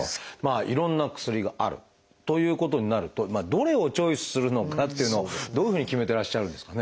いろんな薬があるということになるとどれをチョイスするのかっていうのをどういうふうに決めてらっしゃるんですかね。